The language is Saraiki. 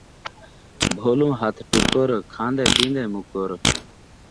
بھولوں ہتھ ٹکر کھان٘دیں پین٘دیں مکر